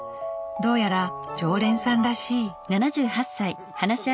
どうやら常連さんらしい。